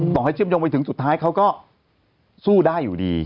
ต่อให้เชื่อมโยงไปถึงสุดท้ายเขาก็สู้ได้อยู่ดี